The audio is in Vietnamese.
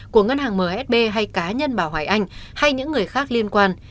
của ngân hàng msb hay cá nhân bảo hải anh hay những người khác liên quan